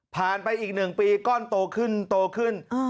ผ่านไปอีก๑ปีก้อนโตขึ้นขึ้น